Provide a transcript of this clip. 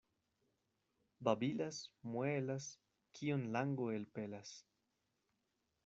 Babilas, muelas, kion lango elpelas.